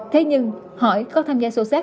thế nhưng hỏi có tham gia sâu sát